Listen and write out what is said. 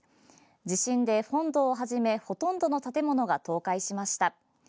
地震で本堂をはじめほとんどの建物が倒壊しました。